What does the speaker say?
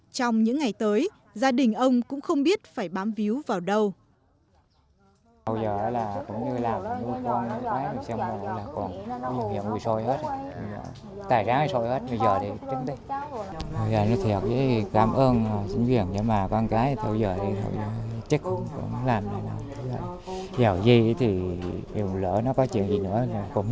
trong những ngày tới gia đình ông cũng không biết phải bám víu vào đâu